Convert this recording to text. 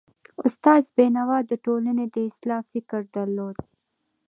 استاد بینوا د ټولني د اصلاح فکر درلود.